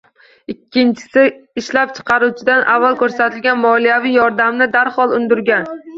Ikkinchisi — ishlab chiqaruvchidan avval ko‘rsatilgan moliyaviy yordamni darhol undirgan